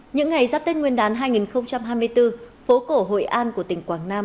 những ngày giáp tên nguyên đán hai nghìn hai mươi bốn phố cổ hội an của tỉnh quảng nam